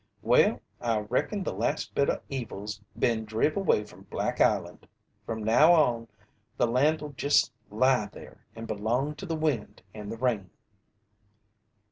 "Well, I reckon the last bit o' evil's been driv' away from Black Island. From now on, the land'll jest lie there and belong to the wind and the rain."